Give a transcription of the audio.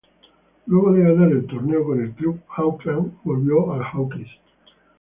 Luego de ganar el torneo con el club de Auckland, volvió al Hawke's.